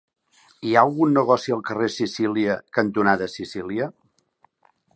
Hi ha algun negoci al carrer Sicília cantonada Sicília?